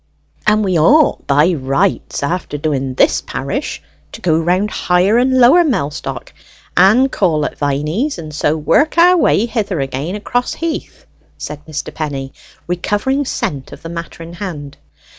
"And we ought, by rights, after doing this parish, to go round Higher and Lower Mellstock, and call at Viney's, and so work our way hither again across He'th," said Mr. Penny, recovering scent of the matter in hand.